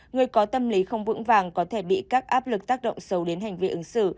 người có tâm lý không vững vàng có thể bị các áp lực tác động sâu đến hành vi ứng xử